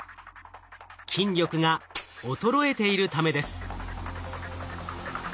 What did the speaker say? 筋力が衰えているためです。